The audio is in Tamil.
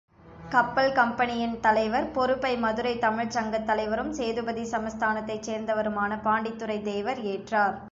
கப்பல் கம்பெனியின் தலைவர் பொறுப்பை மதுரைத் தமிழ்ச்சங்கத் தலைவரும், சேதுபதி சமஸ்தானத்தைச் சேர்ந்தவருமான பாண்டித்துரைத் தேவர் ஏற்றார்.